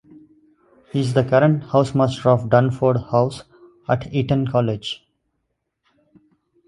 He is the current housemaster of Durnford House at Eton College.